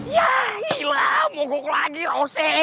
yah gila mau gok lagi loh se